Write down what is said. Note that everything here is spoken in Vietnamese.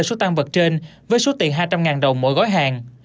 số tan vật trên với số tiền hai trăm linh đồng mỗi gói hàng